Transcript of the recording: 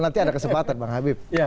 nanti ada kesempatan bang habib